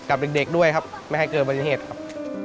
กับเด็กด้วยครับไม่ให้เกิดปฏิเหตุครับ